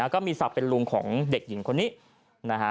ก็มีศัพท์เป็นลุงของเด็กหญิงคนนี้